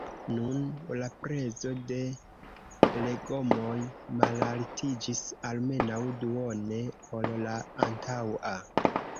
Nun la prezo de legomoj malaltiĝis almenaŭ duone ol la antaŭa.